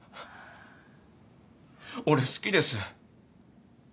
俺好きです。